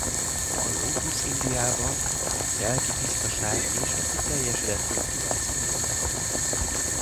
A lótusz Indiában a telki tisztaság és a kiteljesedett öntudat szimbóluma.